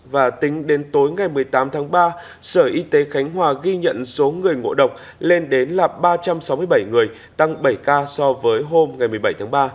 và tính đến tối ngày một mươi tám tháng ba sở y tế khánh hòa ghi nhận số người ngộ độc lên đến là ba trăm sáu mươi bảy người tăng bảy ca so với hôm một mươi bảy tháng ba